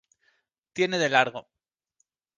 Tiene de largo.